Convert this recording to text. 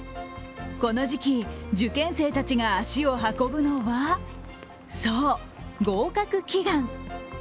この時期、受験生たちが足を運ぶのは、そう、合格祈願。